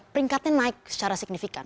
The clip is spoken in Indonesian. peringkatnya naik secara signifikan